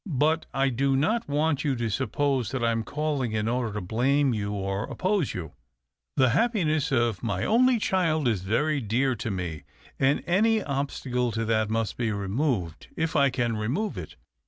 But I do not want you to suppose that I am calling in order to l^lame you or oppose you. The happiness of my only child is very dear to mc, and any obstacle to that must be removed if I can remove it.